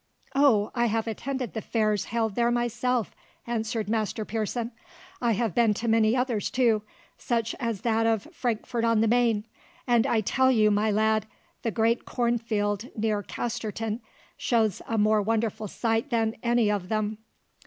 "Oh, I have attended the fairs held there myself!" answered Master Pearson. "I have been to many others too, such as that of Frankfort on the Maine; and I tell you, my lad, the great corn field near Casterton shows a more wonderful sight than any of them.